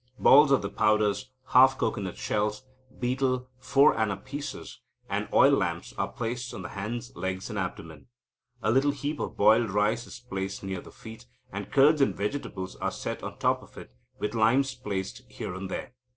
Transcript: Balls of the powders, half cocoanut shells, betel, four anna pieces, and oil lamps, are placed on the hands, legs, and abdomen. A little heap of boiled rice is placed near the feet, and curds and vegetables are set on the top of it, with limes placed here and there.